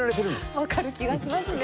わかる気がしますね。